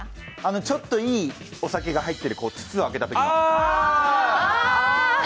ちょっといいお酒が入っている筒を開けたときの。